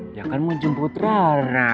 dia kan mau jemput rara